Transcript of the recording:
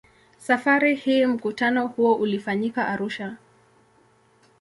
Safari hii mkutano huo ulifanyika Arusha.